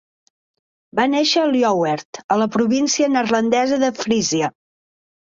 Va néixer a Ljouwert, a la província neerlandesa de Frísia.